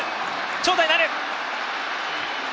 長打になる。